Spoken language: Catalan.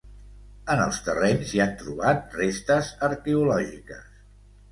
En els terrenys s'hi han trobat restes arqueològiques.